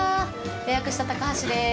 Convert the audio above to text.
予約した高橋です。